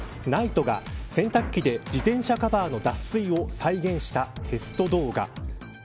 ＮＩＴＥが洗濯機で自転車カバーの脱水を再現したテスト動画。